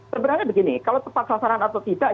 sebenarnya begini kalau tepat sasaran atau tidak